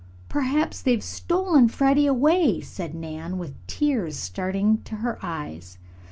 "Perhaps they have stolen Freddie away!" said Nan, with the tears starting to her eyes.